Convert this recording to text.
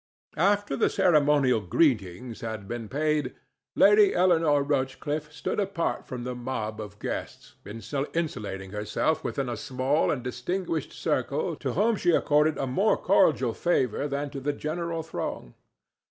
After the ceremonial greetings had been paid, Lady Eleanore Rochcliffe stood apart from the mob of guests, insulating herself within a small and distinguished circle to whom she accorded a more cordial favor than to the general throng.